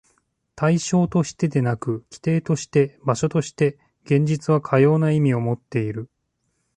対象としてでなく、基底として、場所として、現実はかような意味をもっている。